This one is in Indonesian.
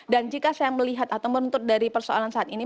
dan jika saya melihat atau menuntut dari persoalan saat ini